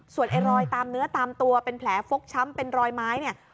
ส่วนไอ้รอยตามเนื้อตามตัวเป็นแผลฟกช้ำเป็นรอยไม้เนี่ย